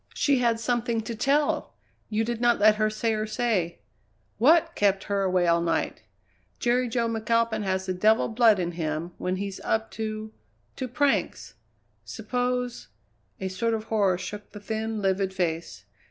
"She had something to tell! You did not let her say her say. What kept her away all night? Jerry Jo McAlpin has the devil blood in him when he's up to to pranks. Suppose " A sort of horror shook the thin, livid face.